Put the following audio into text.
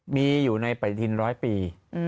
มีอยู่ในปฏิทินร้อยปี